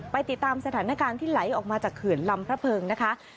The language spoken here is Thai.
ติดตามสถานการณ์ที่ไหลออกมาจากเขื่อนลำพระเพิงนะคะ